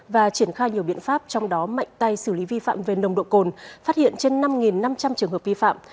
và triển khai nhiều biện pháp trong đó mạnh tay xử lý vi phạm về nồng độ cồn phát hiện trên năm năm trăm linh trường hợp vi phạm